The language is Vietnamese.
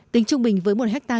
tính trung bình với một hectare